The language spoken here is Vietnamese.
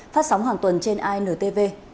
phát sóng hàng tuần trên intv